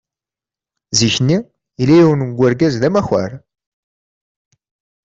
Zik-nni, yella yiwen n urgaz d amakur.